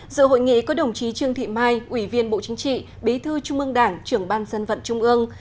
dự hội nghị có đồng chí trương thị mai ủy viên bộ chính trị bí thư trung ương đảng trưởng ban dân vận trung ương